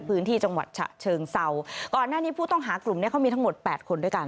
พื้นที่จังหวัดฉะเชิงเศร้าก่อนหน้านี้ผู้ต้องหากลุ่มเนี้ยเขามีทั้งหมดแปดคนด้วยกัน